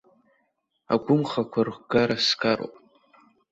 Агәымхақәа ргара сгароуп.